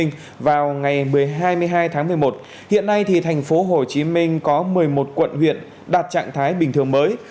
ngày hai mươi hai tháng một mươi một hiện nay tp hcm có một mươi một quận huyện đạt trạng thái bình thường mới